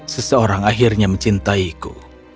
seseorang akhirnya mencintaiku